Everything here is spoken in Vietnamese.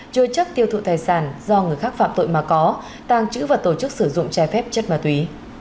chơi chất tiêu thụ tài sản do người khác phạm tội mà có tàng trữ và tổ chức sử dụng chai phép chất ma túy